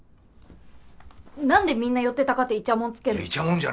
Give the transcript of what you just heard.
何でみんな寄ってたかっていちゃもんつけんの？